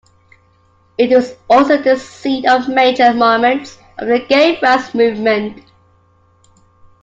It was also the scene of major moments of the Gay Rights Movement.